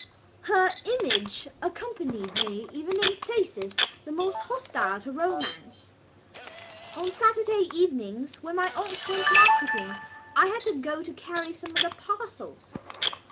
Her image accompanied me even in places the most hostile to romance. On Saturday evenings when my aunt went marketing I had to go to carry some of the parcels.